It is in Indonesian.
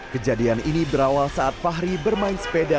kejadian ini berawal saat fahri bermain sepeda